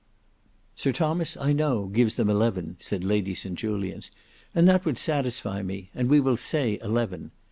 "Sir Thomas, I know, gives them eleven," said Lady St Julians; "and that would satisfy me; and we will say eleven.